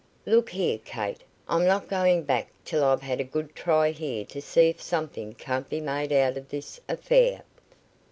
"Look here, Kate, I'm not going back till I've had a good try here to see if something can't be made out of this affair."